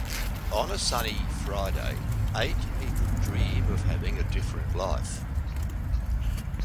On a sunny Friday eight people dream of having a different life.